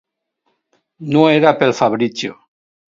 No era pel Fabrizio.